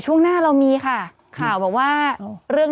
ส่วนใหญ่พี่มีมา๒ตัวแหละ